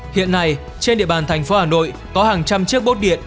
hiện nay trên địa bàn thành phố hà nội có hàng trăm chiếc bốt điện